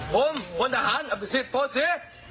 ผมพลทหารอภิษฎโปรดศรี